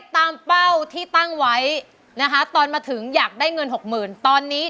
เพลงสี่มูลค่าหกหมื่นบาทกรดร้องได้